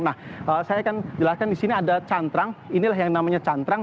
nah saya akan jelaskan di sini ada cantrang inilah yang namanya cantrang